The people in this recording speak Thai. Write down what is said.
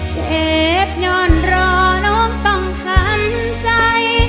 เจ็บนอนรอน้องต้องทำใจ